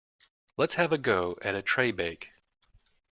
Let's have a go at a tray bake.